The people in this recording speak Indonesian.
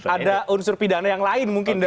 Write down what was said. ada unsur pidana yang lain mungkin